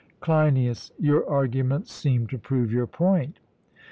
CLEINIAS: Your arguments seem to prove your point.